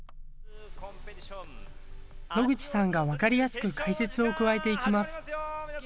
野口さんが分かりやすく解説を加えていきます。